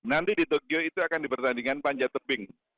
nanti di tokyo itu akan dipertandingkan panjat tebing